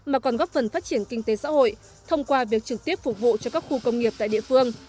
mà còn góp phần phát triển kinh tế xã hội thông qua việc trực tiếp phục vụ cho các khu công nghiệp tại địa phương